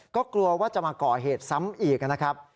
ก็กลัวว่าจะมาก่อเหตุซ้ำอีกนะครับ